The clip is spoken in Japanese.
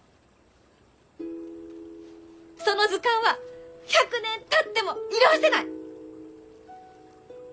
その図鑑は１００年たっても色あせない！